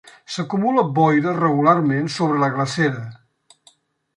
S'acumula boira regularment sobre la glacera.